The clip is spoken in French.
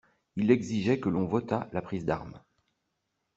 Il exigeait que l'on votât la prise d'armes.